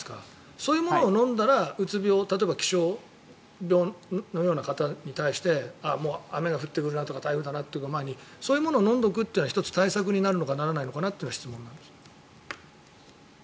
そういうものを飲んだらうつ病例えば気象病のような方に対して雨が降ってくるな台風だっていう前にそういうものを飲んでおくのは１つ、対策になるのかならないのかっていう質問なんですが。